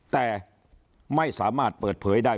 แต่ไม่สามารถเปิดเผยได้